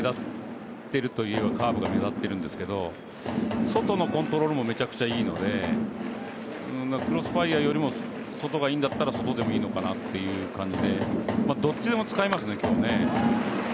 カーブが目立ってるというですけど外のコントロールもめちゃくちゃいいのでクロスファイヤーよりも外がいいんだったら外でもいいのかなという感じでどっちでも使えますね今日ね。